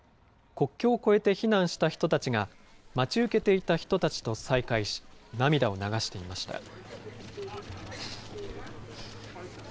国境を越えて避難した人たちが、待ち受けていた人たちと再会し、涙を流していました。